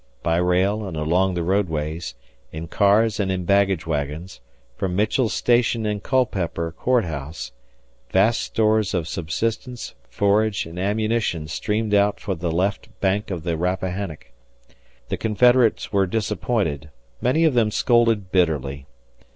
By rail and along the roadways, in cars and in baggage wagons, from Mitchell's Station and Culpeper (Court House) vast stores of subsistence, forage, and ammunition streamed out for the left bank of the Rappahannock. ... The Confederates were disappointed; many of them scolded bitterly.